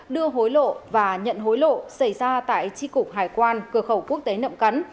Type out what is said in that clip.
đưa hối lộ và nhận hối lộ xảy ra tại tri cục hải quan cửa khẩu quốc tế nậm cắn